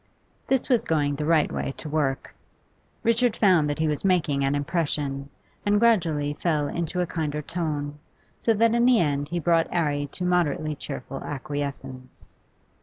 This was going the right way to work. Richard found that he was making an impression, and gradually fell into a kinder tone, so that in the end he brought 'Arry to moderately cheerful acquiescence.